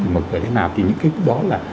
mở cửa thế nào thì những cái đó là